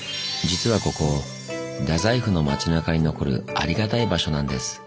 実はここ太宰府の街なかに残るありがたい場所なんです。